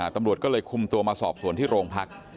ตำรวจก็เลยคุมตัวมาสอบสวนที่โรงพัก